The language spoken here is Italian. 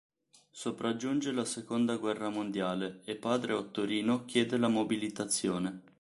Sopraggiunge la Seconda guerra mondiale e Padre Ottorino chiede la mobilitazione.